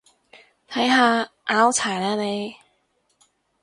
睇下，拗柴喇你